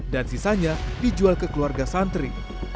dan sisanya dijual ke keluarga santri